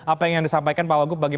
apa yang ingin disampaikan pak wagub bagi